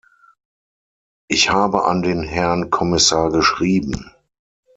Ich habe an den Herrn Kommissar geschrieben.